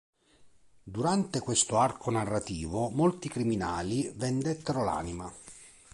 Durante questo arco narrativo, molti criminali vendettero l'anima.